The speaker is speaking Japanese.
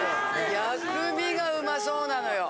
薬味がうまそうなのよ。